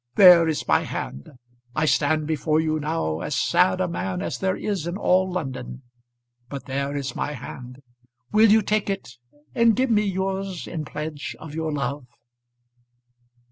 There is my hand. I stand before you now as sad a man as there is in all London. But there is my hand will you take it and give me yours in pledge of your love."